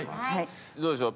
どうでしょう？